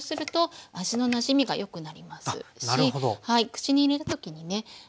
口に入れる時にね